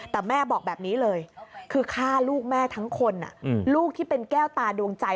แต่แม่บอกแบบนี้เลยคือฆ่าลูกแม่ทั้งคนลูกที่เป็นแก้วตาดวงใจ